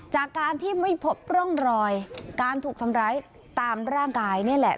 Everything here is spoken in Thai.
จากการที่ไม่พบร่องรอยการถูกทำร้ายตามร่างกายนี่แหละ